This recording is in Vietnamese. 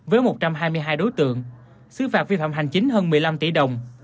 với một trăm hai mươi hai đối tượng xứ phạt vi phạm hành chính hơn một mươi năm tỷ đồng